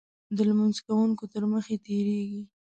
د لمونځ کوونکو تر مخې تېرېږي.